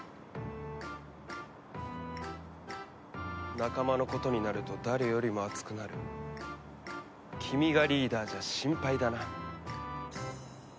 仲間のことになると誰よりも熱くなる君がリーダーじゃ心配だな。